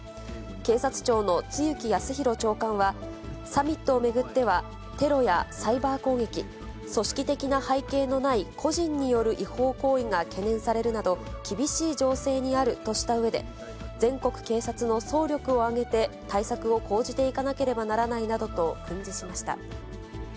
警察庁の露木康浩長官は、サミットを巡っては、テロやサイバー攻撃、組織的な背景のない個人による違法行為が懸念されるなど、厳しい情勢にあるとしたうえで、全国警察の総力を挙げて、対策を講じていかなければならないなどと訓示しました。